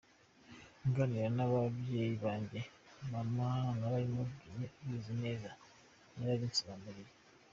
Nganira n’ababyeyi banjye, mama yarabimbwiye abizi neza yarabinsobanuriye.